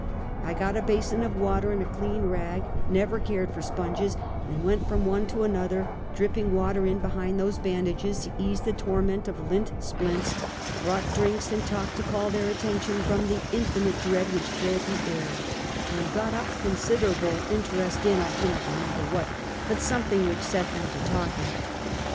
I got a basin of water and a clean rag, never cared for sponges, and went from one to another, dripping water in behind those bandages to ease the torment of lint splints, brought drinks and talked to call their attention from the indehnite dread which filled the air, and got up considerable interest in — I do not remem ber what — but something which set them to talking.